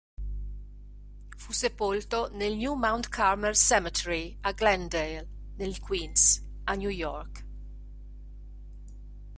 Fu sepolto nel New Mount Carmel Cemetery a Glendale nel Queens, a New York.